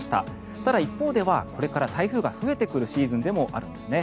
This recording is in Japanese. ただ、一方ではこれから台風が増えてくるシーズンでもあるんですね。